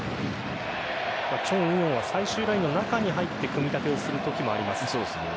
チョン・ウヨンは最終ラインの中に入って組み立てをするときもあります。